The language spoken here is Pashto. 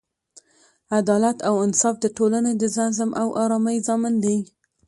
عدالت او انصاف د ټولنې د نظم او ارامۍ ضامن دی.